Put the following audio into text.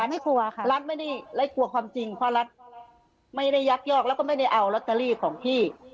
ไม่กลัวค่ะรัฐไม่ได้กลัวความจริงเพราะรัฐไม่ได้ยักยอกแล้วก็ไม่ได้เอาลอตเตอรี่ของพี่